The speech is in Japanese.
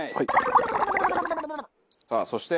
さあそして？